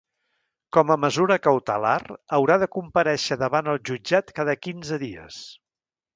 Com a mesura cautelar, haurà de comparèixer davant el jutjat cada quinze dies.